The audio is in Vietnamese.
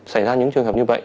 xảy ra những trường hợp như vậy